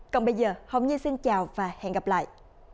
còn bây giờ hồng nhi xin chào và hẹn gặp lại